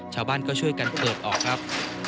ชาวบ้านก็ช่วยกันเปิดออกครับ